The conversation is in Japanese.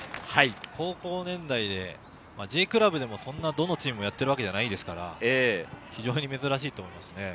高校年代でＪクラブでもどのチームもやってるわけではないですから、非常に珍しいと思います。